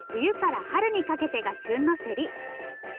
冬から春にかけてが旬のせり。